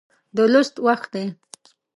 د لوست وخت دی